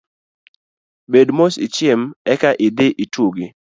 Bed mos ichiem eka idhi itugi.